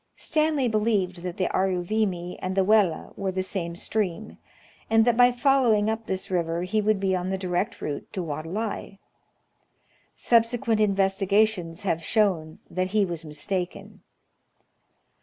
Stanley believed that the Aruvimi and the Welle were the same stream, and that by following up this river he would be on the direct route to Wadelai. Subsequent investigations have shown that he was mistaken.